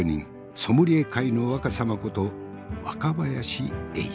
ソムリエ界の若さまこと若林英司。